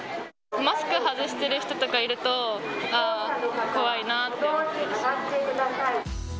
マスク外してる人とかいると、ああ、怖いなと思ってしまう。